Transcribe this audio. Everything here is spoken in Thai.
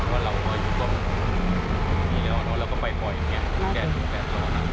เพราะว่าเราก็อยู่ตรงนี้เลยหรอเราก็ไปบ่อยแบบนี้แค่ถึงแค่ตรงนั้น